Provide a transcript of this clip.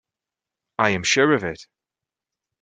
I am sure of it.